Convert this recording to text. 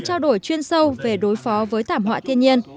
trao đổi chuyên sâu về đối phó với thảm họa thiên nhiên